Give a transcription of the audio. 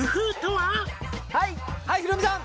はいヒロミさん